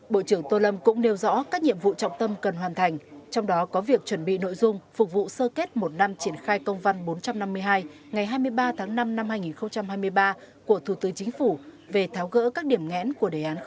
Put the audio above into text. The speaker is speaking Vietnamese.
bộ trưởng tô lâm cũng nêu rõ các nhiệm vụ trọng tâm cần hoàn thành trong đó có việc chuẩn bị nội dung phục vụ sơ kết một năm triển khai công văn bốn trăm năm mươi hai ngày hai mươi ba tháng năm năm hai nghìn hai mươi ba của thủ tướng chính phủ về tháo gỡ các điểm nghẽn của đề án sáu